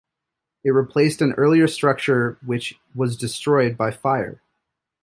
It replaced an earlier structure which was destroyed by fire.